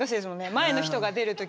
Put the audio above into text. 前の人が出る時に。